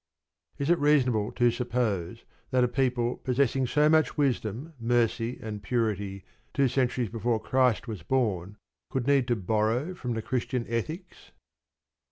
Is it reasonable to suppose that a people possessing so much wisdom, mercy, and purity two centuries before Christ was born could need to borrow from the Christian ethics?